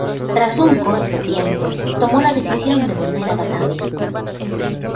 Tras un corto tiempo, tomó la decisión de volver a Batavia.